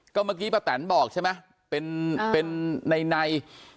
ก็เมื่อกี้ประแตนบอกใช่ไหมเป็นเป็นในใน